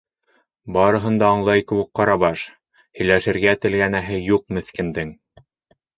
Барыһын да аңлай кеүек Ҡарабаш - һөйләшергә телгенәһе юҡ меҫкендең...